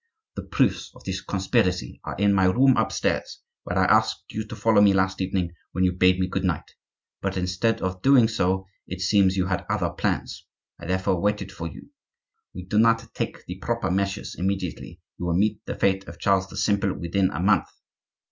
The proofs of this conspiracy are in my room upstairs, where I asked you to follow me last evening, when you bade me good night; but instead of doing so, it seems you had other plans. I therefore waited for you. If we do not take the proper measures immediately you will meet the fate of Charles the Simple within a month."